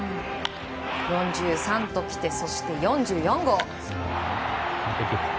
４３ときてそして４４号！